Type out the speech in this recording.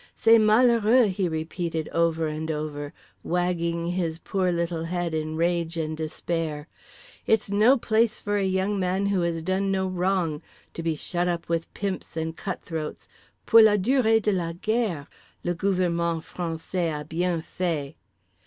"c'est malheureux," he repeated over and over, wagging his poor little head in rage and despair—"it's no place for a young man who has done no wrong, to be shut up with pimps and cutthroats, _pour la durée de la guerre; le gouvernement français a bien fait!